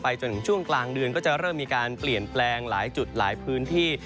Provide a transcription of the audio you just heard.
จนถึงช่วงกลางเดือนก็จะเริ่มมีการเปลี่ยนแปลงหลายจุดหลายพื้นที่